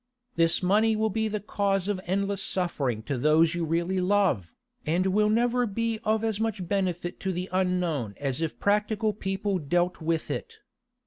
This money will be the cause of endless suffering to those you really love, and will never be of as much benefit to the unknown as if practical people dealt with it.